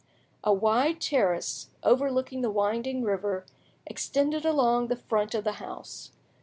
A wide terrace, overlooking the winding river, extended along the front of the house.